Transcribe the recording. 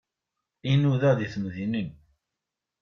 I nudaɣ deg temdinin.